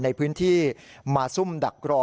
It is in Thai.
ในพื้นที่มาซุ่มดักรอ